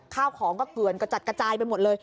ข้าวของก็เกือนกระจัดกระจายไปหมดเลย